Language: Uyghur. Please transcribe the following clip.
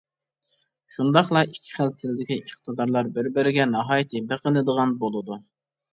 شۇنداقلا ئىككى خىل تىلدىكى ئىقتىدارلار بىر-بىرىگە ناھايىتى بېقىنىدىغان بولىدۇ.